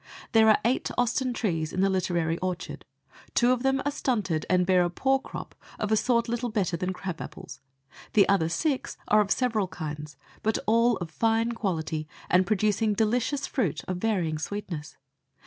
There are eight Austen trees in the literary orchard. Two of them are stunted and bear a poor crop of a sort little better than crabapples. The other six are of several kinds, but all of fine quality and producing delicious fruit of varying sweetness.